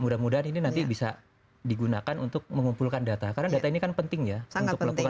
mudah mudahan ini nanti bisa digunakan untuk mengumpulkan data karena data ini kan penting ya untuk melakukan